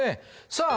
さあ